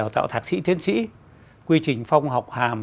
tạo thạc thị thiến sĩ quy trình phong học hàm